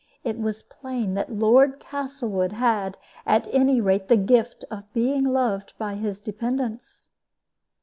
It was plain that Lord Castlewood had, at any rate, the gift of being loved by his dependents.